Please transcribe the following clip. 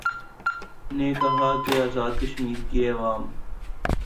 نے کہا کہ آزادکشمیر کےعوام